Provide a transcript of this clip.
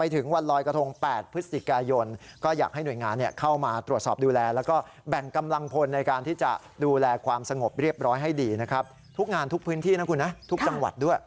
ทุกงานทุกพื้นที่นะครับทุกจังหวัดด้วย